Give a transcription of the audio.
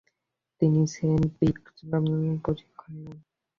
তিনি Saint Petersburg কনজারভেটরিতে প্রশিক্ষণের নেন।